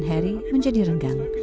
pangeran harry menjadi renggang